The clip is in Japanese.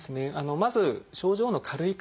まず症状の軽い方